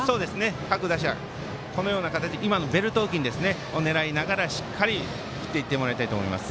各打者ベルト付近を狙いながらしっかり振っていってもらいたいと思います。